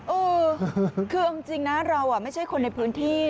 เออคือเอาจริงนะเราไม่ใช่คนในพื้นที่